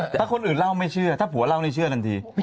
ถ้าคนอื่นเล่าไม่เชื่อถ้าผัวเล่านี่เชื่อทันที